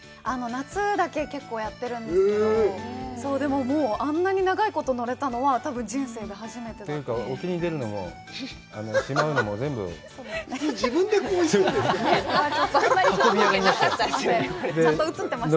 夏だけ結構やってるんですけどでもあんなに長いこと乗れたのはたぶん人生で初めてっていうか沖に出るのもしまうのも全部自分でこういったちゃんと映ってましたね